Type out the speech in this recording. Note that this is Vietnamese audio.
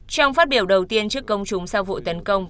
trong phát biểu đầu tiên trước công chúng sau vụ tấn công